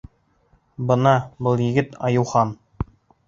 — Бына, был егет — Айыухан.